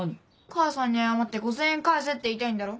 母さんに謝って５０００円返せって言いたいんだろ？